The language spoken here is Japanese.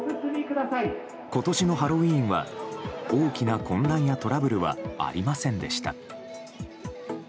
今年のハロウィーンは大きな混乱やトラブルはありませんでした。